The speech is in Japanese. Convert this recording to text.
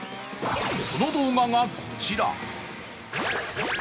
その動画がこちら。